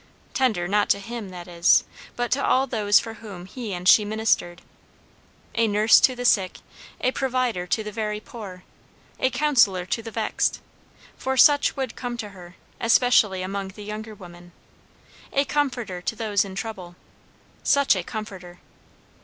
Tender, not to him, that is, but to all those for whom he and she ministered. A nurse to the sick, a provider to the very poor, a counsellor to the vexed, for such would come to her, especially among the younger women, a comforter to those in trouble. Such a comforter!